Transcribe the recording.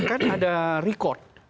kan ada record